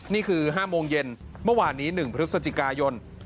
นี่คือ๕โมงเย็นเมื่อวานนี้๑พฤศจิกายน